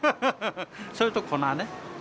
それと粉ね。